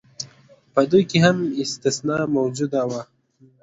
په دوی کې هم استثنا موجوده وه.